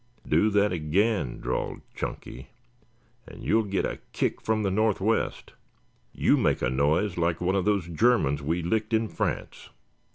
"Do that again," drawled Chunky, "and you'll get a kick from the northwest. You make a noise like one of those Germans we licked in France.